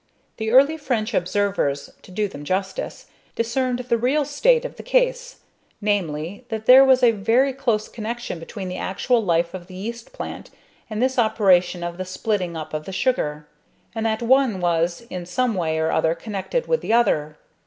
The early French observers, to do them justice, discerned the real state of the case, namely, that there was a very close connection between the actual life of the yeast plant and this operation of the splitting up of the sugar; and that one was in some way or other connected with the other.